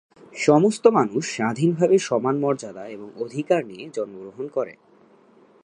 সমস্ত মানুষ স্বাধীনভাবে সমান মর্যাদা এবং অধিকার নিয়ে জন্মগ্রহণ করে।